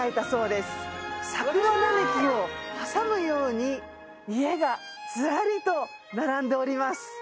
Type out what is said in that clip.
桜並木を挟むように家がずらりと並んでおります